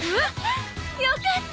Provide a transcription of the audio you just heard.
よかった！